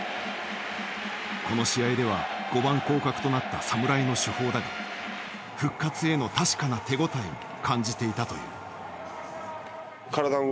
この試合では５番降格となった侍の主砲だが復活への確かな手応えを感じていたという。